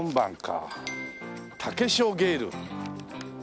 タケショウゲイル。